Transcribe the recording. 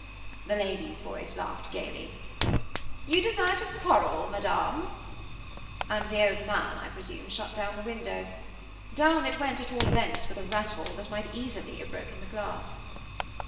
The lady's voice laughed gaily. "You desire to quarrel, Madame!" And the old man, I presume, shut down the window. Down it went, at all events, with a rattle that might easily have broken the glass.